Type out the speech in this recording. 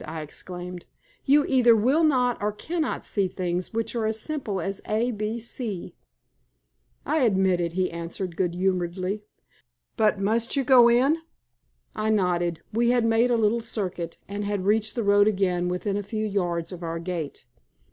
I exclaimed. "You either will not or cannot see things which are as simple as A B C." "I admit it," he answered, good humoredly. "But must you go in?" I nodded. We had made a little circuit, and had reached the road again within a few yards of our gate.